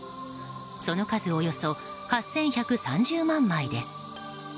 その数、およそ８１３０万枚です。